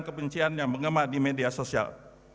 kebencian yang mengemak di media sosial